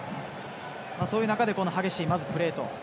そういう中で、激しいプレー。